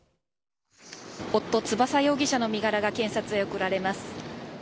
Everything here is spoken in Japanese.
夫、翼容疑者の身柄が検察へ送られます。